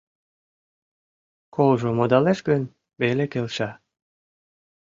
Колжо модалеш гын, веле келша.